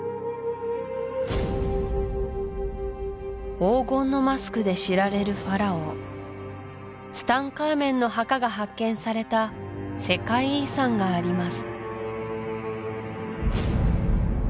黄金のマスクで知られるファラオツタンカーメンの墓が発見された世界遺産があります